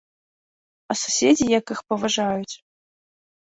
А суседзі як іх паважаюць.